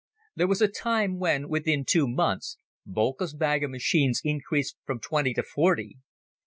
There was a time when, within two months, Boelcke's bag of machines increased from twenty to forty.